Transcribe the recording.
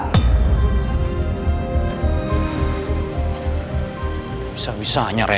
apa sebaiknya saya tanya ke bella